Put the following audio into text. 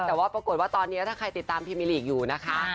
แต่ว่าปรากฏว่าตอนนี้ถ้าใครติดตามพิมิลีกอยู่นะคะ